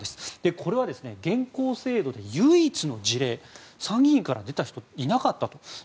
これは現行制度で唯一の事例参議院から出た人がいなかったと。